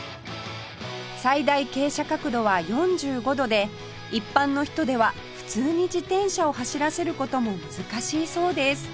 最大傾斜角度は４５度で一般の人では普通に自転車を走らせる事も難しいそうです